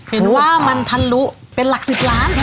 เห็นว่ามันทะลุเป็นหลัก๑๐ล้าน